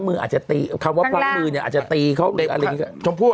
มืออาจจะตีคำว่าพังมือเนี้ยอาจจะตีเขาอะไรชมผู้